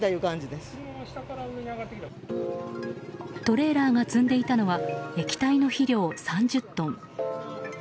トレーラーが積んでいたのは液体の肥料３０トン。